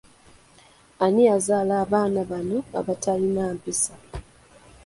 Ani yazaala abaana bano abatalina mpisa?